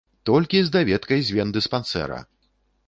Толькі з даведкай з вендыспансэра!